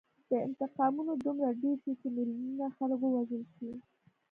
دا انتقامونه دومره ډېر شي چې میلیونونه خلک ووژل شي